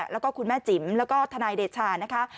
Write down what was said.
แล้วก็คุณแม่จิ๋มแล้วก็ทนายเดชานะคะ